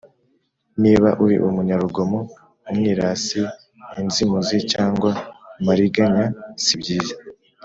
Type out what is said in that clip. niba uri umunyarugomo, umwirasi, inzimuzi cyangwa mariganya sibyiza